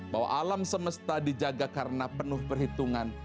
bahwa alam semesta dijaga karena penuh perhitungan